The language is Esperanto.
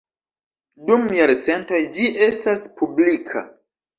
Dum jarcentoj ĝi estas publika.